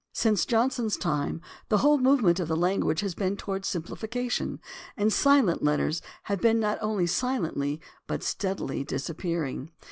Since Johnson's time the whole movement of the language has been toward simplification, and silent letters have been not only silently but steadily disappearing.